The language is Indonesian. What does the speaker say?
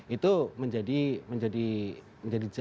itu menjadi yang menjadi mengembutkan